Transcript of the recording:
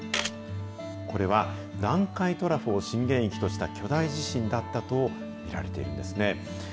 これは、南海トラフを震源域とした巨大地震だったと見られているんですね。